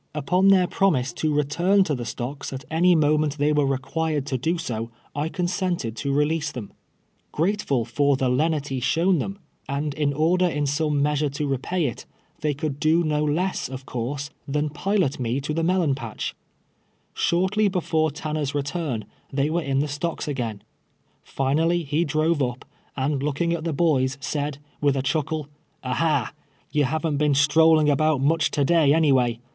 Upon their promise to re turn to the stocks at any moment they were required F* 9 130 TWELVE YEARS A SLAVE. to do so, I ciiiisoutc'd to ri'leaso tlicuL Gnitoful for tlie lenity shown them, and in oihUt in some meas ure to repay it, tliey conld do no less, of course, tlian pilot mo to the melon i)atch. Shortly before Tanner's return, tliey were in the stocks again. Finally he drove Uj), and lookin:^ at the boys, said, with a chuckle, —" Aha ! ye havn't been strolling' al)Out much to day, anyway.